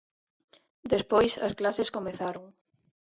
Despois as clases comezaron.